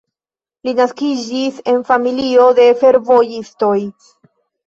Li naskiĝis en familio de fervojisto.